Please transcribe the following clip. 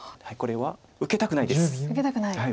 はい受けたくないです。